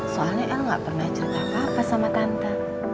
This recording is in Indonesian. soalnya el gak pernah cerita apa apa sama tante